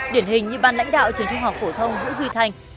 điển hình như ban lãnh đạo trường trung học phổ thông vũ duy thanh